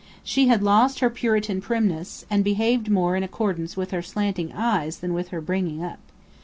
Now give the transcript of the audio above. She had lost her puritan primness, and behaved more in accordance with her slanting eyes than with her bringing up.